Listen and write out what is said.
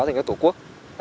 thành ra tổ quốc